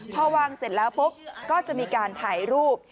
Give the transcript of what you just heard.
พอวางเสร็จแล้วปุ๊บก็จะมีการถ่ายรูป